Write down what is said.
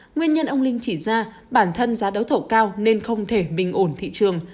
nguyên nhân ông linh chỉ ra bản thân giá đấu thầu cao nên không thể bình ổn thị trường